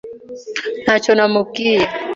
Ntacyo namubwiye.